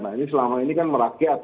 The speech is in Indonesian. nah ini selama ini kan merakyat